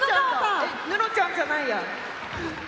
えっ布ちゃんじゃないや。